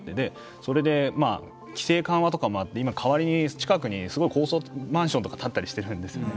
それで、規制緩和とかもあって今、代わりに、近くにすごい高層マンションとか建ったりしてるんですね。